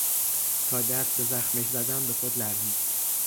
تا دست به زخمش زدم به خود لرزید.